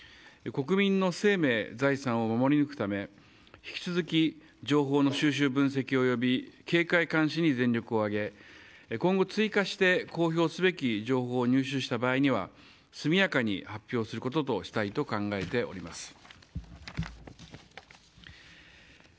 国民の生命・財産を守り抜くため引き続き、情報の収集分析及び警戒、監視に全力を挙げ今後、追加して公表すべき情報を入手した場合には速やかに発表することとしたいと考えております。